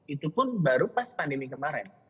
itu pun baru pas pandemi kemarin